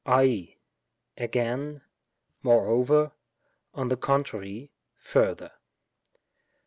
avy again^ moreover^ on tlie contrary^ further.